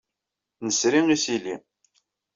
Nesri isili.